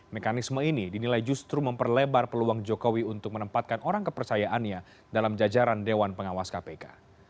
mekanisme ini dinilai justru memperlebar peluang jokowi untuk menempatkan orang kepercayaannya dalam jajaran dewan pengawas kpk